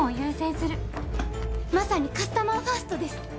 まさにカスタマーファーストです。